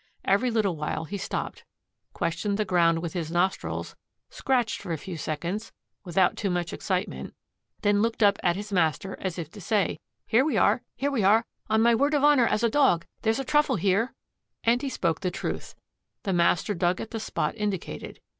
Every little while he stopped, questioned the ground with his nostrils, scratched for a few seconds, without too much excitement, then looked up at his master as if to say: "Here we are, here we are! On my word of honor as a Dog, there's a truffle here." And he spoke the truth. The master dug at the spot indicated.